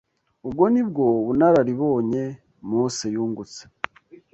Ubwo ni bwo bunararibonye Mose yungutse